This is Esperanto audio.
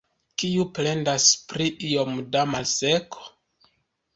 Kiu plendas pri iom da malseko?